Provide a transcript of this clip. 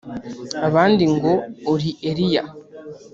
abandi ngo uri Eliya